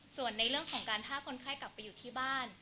ส่วนในเรื่องของการฆ่าคนไข้กลับไปอยู่ที่บ้าน